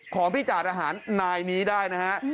ของพี่จาดอาหารนายนี้ได้นะครับ